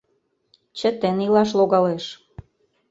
Чытен илаш логалеш.